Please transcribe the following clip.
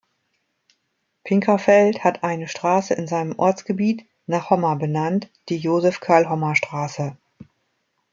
Pinkafeld hat eine Straße in seinem Ortsgebiet nach Homma benannt, die Josef-Karl-Homma-Straße.